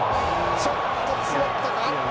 ちょっと詰まったか？